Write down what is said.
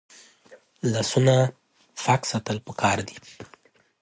لاسونه پاک ساتل پکار دي